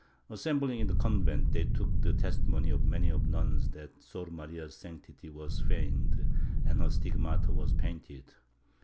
Assembling in the convent they took the testimony of many of the nuns that Sor Maria's sanctity was feigned and her stigmata were painted.